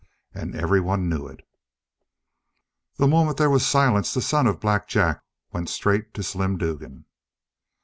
And everyone knew it. The moment there was silence the son of Black Jack went straight to Slim Dugan.